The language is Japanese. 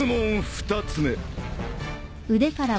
２つ目。